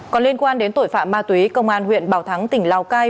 còn liên quan đến tội phạm ma túy công an huyện bảo thắng tỉnh lào cai